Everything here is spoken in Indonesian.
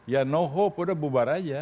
ya no hope sudah bubar saja